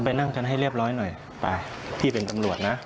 นั่งกันให้เรียบร้อยหน่อยไปพี่เป็นตำรวจนะ